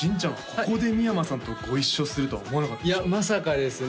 ここで三山さんとご一緒するとは思わなかったでしょ？